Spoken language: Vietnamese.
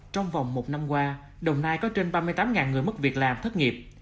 trong vòng một năm qua đồng nai có trên ba mươi tám người mất việc làm thất nghiệp